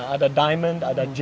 ada diamond ada ruby ada sapphire